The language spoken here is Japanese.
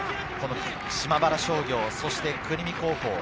島原商業、そして国見高校。